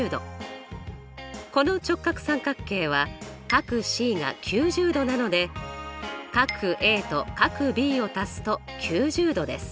この直角三角形は角Ｃが９０°なので角Ａと角Ｂを足すと９０°です。